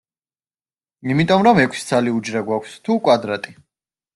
იმიტომ რომ ექვსი ცალი უჯრა გვაქვს, თუ კვადრატი.